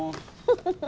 フフフ！